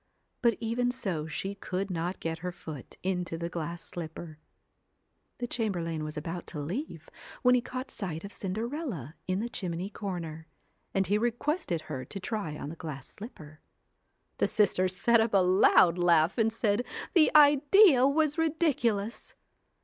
But even so she could not get her foot into the glass slipper. The chamberlain was about to leave when he caught sight of Cinderella in the chimney corner, and he requested her to try on the glass slipper. The sisters set up a loud laugh, and said the idea was ridiculous!